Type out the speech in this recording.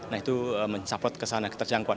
nah itu mencaplok kesana keterjangkauan